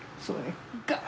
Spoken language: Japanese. そうね。